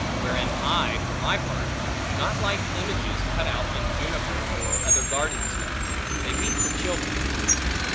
Wherein I, for my part, do not like images cut out in juniper or other garden stuff; they be for children.